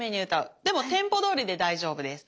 でもテンポどおりで大丈夫です。